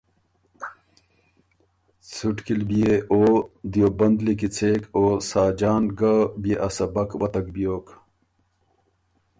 څُټکی ل بيې او دیوبند لیکی څېک او ساجان ګه بيې ا سبق وتک بیوک۔